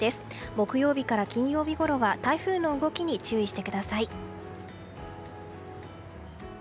木曜日から金曜日ごろは台風の動きに注意してください。